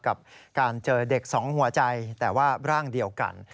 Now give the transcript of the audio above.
กับการเจอเด็กสองหัวใจแต่ว่าร่างเดียวกัน